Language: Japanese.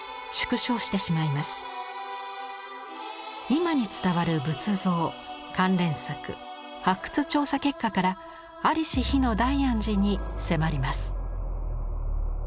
今に伝わる仏像関連作発掘調査結果から在りし日の大安寺に迫ります。